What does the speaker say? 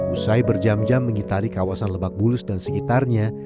usai berjam jam mengitari kawasan lebak bulus dan sekitarnya